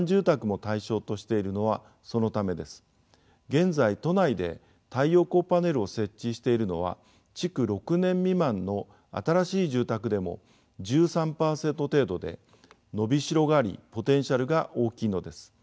現在都内で太陽光パネルを設置しているのは築６年未満の新しい住宅でも１３％程度で伸びしろがありポテンシャルが大きいのです。